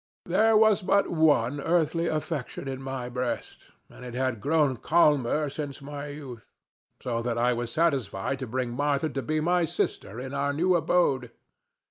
There was but one earthly affection in my breast, and it had grown calmer since my youth; so that I was satisfied to bring Martha to be my sister in our new abode.